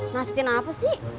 nasehatin apa sih